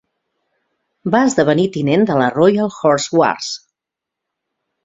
Va esdevenir tinent de la Royal Horse Guards.